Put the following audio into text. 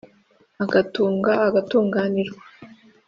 agatunga agatunganirwa